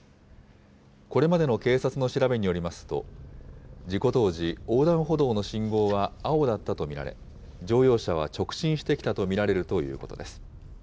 これまでの警察の調べによりますと、事故当時、横断歩道の信号は青だったと見られ、乗用車は直進してきたと見られるということです。